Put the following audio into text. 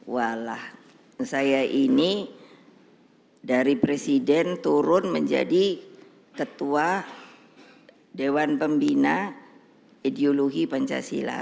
walah saya ini dari presiden turun menjadi ketua dewan pembina ideologi pancasila